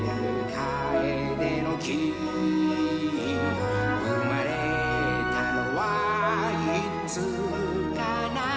カエデの木」「うまれたのはいつかな？